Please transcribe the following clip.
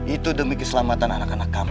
itu demi keselamatan anak anak kami